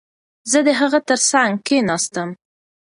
زه د هغه ترڅنګ کښېناستم.